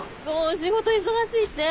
仕事忙しいって。